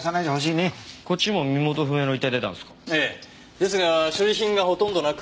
ですが所持品がほとんどなく。